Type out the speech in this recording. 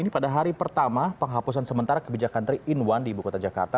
ini pada hari pertama penghapusan sementara kebijakan tiga in satu di ibu kota jakarta